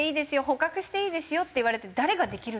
捕獲していいですよって言われて誰ができるんだろう？って。